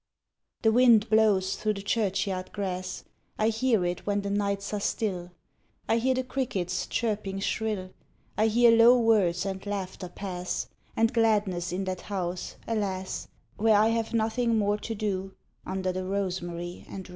The wind blows through the churchyard grass ; I hear it when the nights are still ; I hear the crickets chirping shrill, I hear low words and laughter pass, And gladness in that house, alas, Where I have nothing more to do, Under the rosemary and rue.